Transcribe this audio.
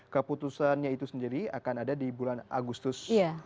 keputusannya itu sendiri akan ada di bulan agustus dua ribu enam belas